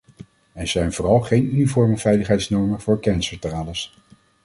Er zijn vooral geen uniforme veiligheidsnormen voor kerncentrales.